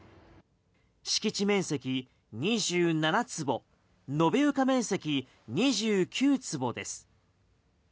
敷地面積２７坪延床面積２９坪です。